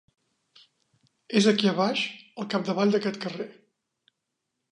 És aquí baix, al capdavall d'aquest carrer.